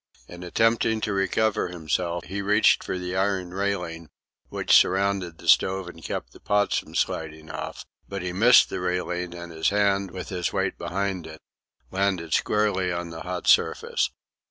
In attempting to recover himself, he reached for the iron railing which surrounded the stove and kept the pots from sliding off; but he missed the railing, and his hand, with his weight behind it, landed squarely on the hot surface.